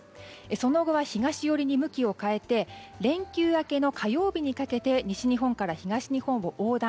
その後は、東寄りに向きを変えて連休明けの火曜日にかけて西日本から東日本を横断。